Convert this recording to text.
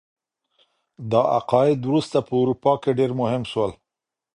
دا عقاید وروسته په اروپا کي ډیر مهم سول.